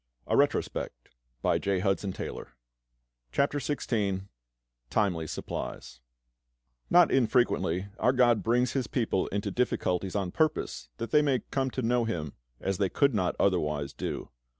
CHAPTER XVI TIMELY SUPPLIES NOT infrequently our GOD brings His people into difficulties on purpose that they may come to know Him as they could not otherwise do.